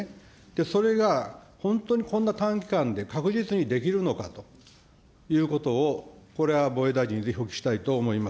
それが本当にこんな短期間で確実にできるのかということを、これは防衛大臣にぜひお聞きしたいと思います。